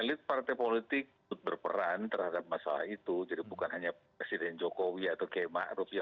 itu adalah bagian dari